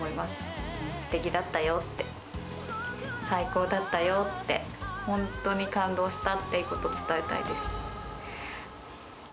すてきだったよって、最高だったよって、本当に感動したっていうことを伝えたいです。